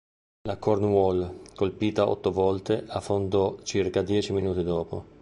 La "Cornwall", colpita otto volte, affondò circa dieci minuti dopo.